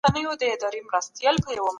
دوی هلته له ډېرو ستونزو سره مخ سول.